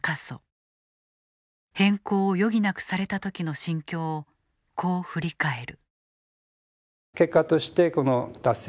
変更を余儀なくされた時の心境をこう振り返る。